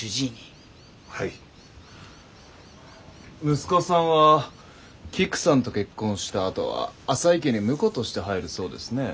息子さんはキクさんと結婚したあとは浅井家に婿として入るそうですね。